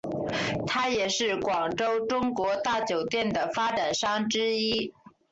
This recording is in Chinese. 他也是广州中国大酒店的发展商之一。